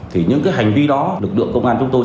thì những cái hành vi đó lực lượng công an chúng tôi